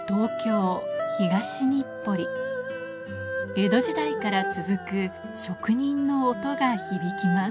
江戸時代から続く職人の音が響きます